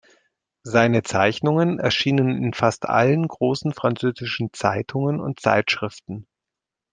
Seine Zeichnungen erschienen in fast allen großen französischen Zeitungen und Zeitschriften.